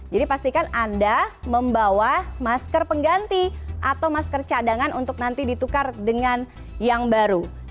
jadi pastikan anda membawa masker pengganti atau masker cadangan untuk nanti ditukar dengan yang baru